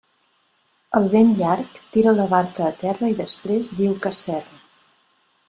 El vent llarg tira la barca a terra i després diu que s'erra.